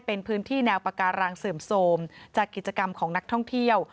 เป็นพื้นที่แนวปาการังเสื่อมโทรมจากกิจกรรมของนักท่องเที่ยว